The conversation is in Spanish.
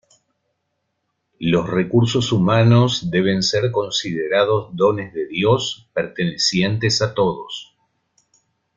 Los recursos humanos deben ser considerados dones de Dios, pertenecientes a todos.